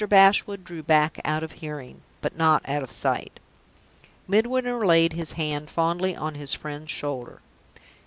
Bashwood drew back out of hearing, but not out of sight. Midwinter laid his hand fondly on his friend's shoulder.